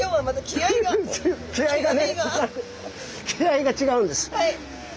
気合いが違うんです。